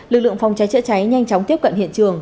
lực lượng phòng cháy chữa cháy nhanh chóng tiếp cận hiện trường